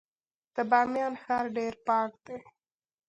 د بامیان ښار ډیر پاک دی